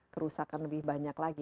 kerusakan lebih banyak lagi